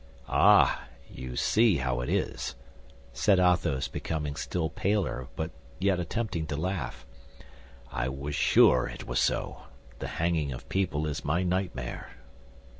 "Ah, you see how it is," said Athos, becoming still paler, but yet attempting to laugh; "I was sure it was so—the hanging of people is my nightmare."